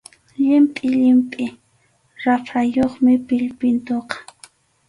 Llimpʼi llimpʼi raprayuqmi pillpintuqa.